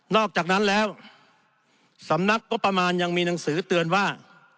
อกจากนั้นแล้วสำนักงบประมาณยังมีหนังสือเตือนว่า